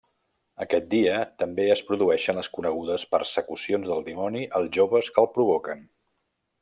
Aquest dia també es produeixen les conegudes persecucions del dimoni als joves que el provoquen.